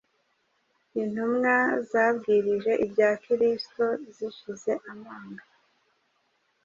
intumwa zabwirije ibya Kristo zishize amanga